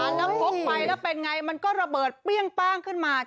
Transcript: พกไปแล้วเป็นอย่างไรมันก็ระเบิดเปรี้ยงป้างขึ้นมา